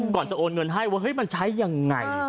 ก่อนจะโอนเงินให้ว่าเฮ้ยมันใช้ยังไง